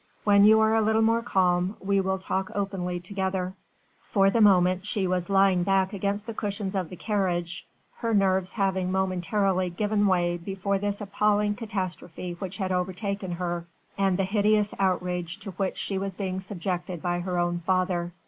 When you are a little more calm, we will talk openly together." For the moment she was lying back against the cushions of the carriage; her nerves having momentarily given way before this appalling catastrophe which had overtaken her and the hideous outrage to which she was being subjected by her own father.